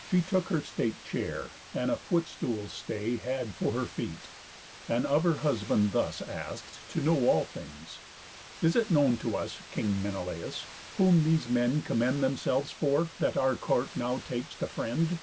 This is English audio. She took her state chair, and a foot stool's stay Had for her feet; and of her husband thus Ask'd to know all things: "Is it known to us, King Menelaus, whom these men commend Themselves for, that our court now takes to friend?